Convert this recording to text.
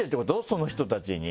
その人たちに。